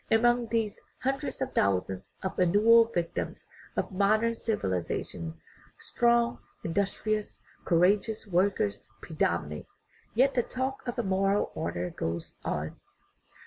And among these hundreds of thousands of annual victims of modern civilization strong, industrious, courageous workers predominate. Yet the talk of a "moral order" goes on.